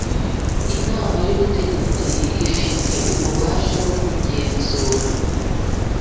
Inama y ubutegetsi ifite ububasha bwo kugenzura